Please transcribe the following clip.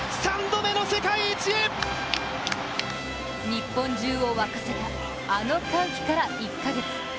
日本中を沸かせた、あの歓喜から１か月。